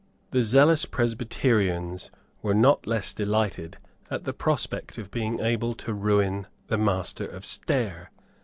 The zealous Presbyterians were not less delighted at the prospect of being able to ruin the Master of Stair.